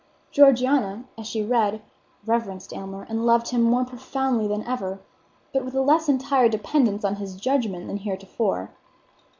Georgiana, as she read, reverenced Aylmer and loved him more profoundly than ever, but with a less entire dependence on his judgment than heretofore.